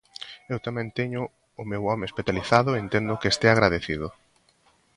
Eu tamén teño o meu home hospitalizado e entendo que estea agradecido.